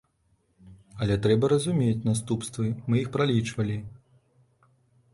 Але трэба разумець наступствы, мы іх пралічвалі.